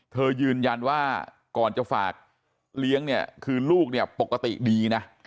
ยืนยันว่าก่อนจะฝากเลี้ยงเนี่ยคือลูกเนี่ยปกติดีนะ